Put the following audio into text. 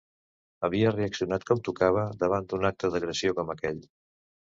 Havia reaccionat com tocava davant d'un acte d'agressió com aquell.